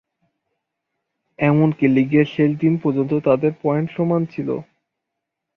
এমনকি লীগের শেষ দিন পর্যন্ত তাদের পয়েন্ট সমান ছিল।